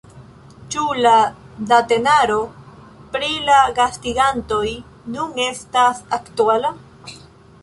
Ĉu la datenaro pri la gastigantoj nun estas aktuala?